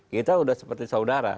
kita udah seperti saudara